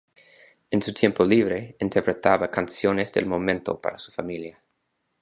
En su tiempo libre interpretaba canciones del momento para su familia.